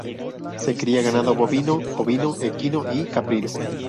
Se cría ganado bovino, ovino, equino y caprino.